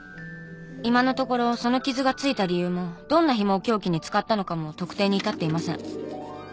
今のところその傷がついた理由もどんなひもを凶器に使ったのかも特定に至っていません。